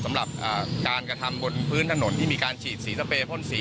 สำหรับการกระทำบนพื้นถนนที่มีการฉีดสีสเปรพ่นสี